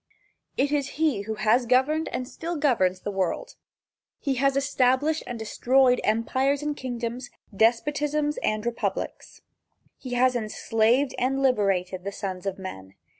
He it is who has governed and still governs the world. He has established and destroyed empires and kingdoms, despotisms and republics. He has enslaved and liberated the sons of men.